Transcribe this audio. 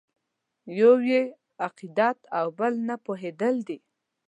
یو یې عقیدت او بل نه پوهېدل دي.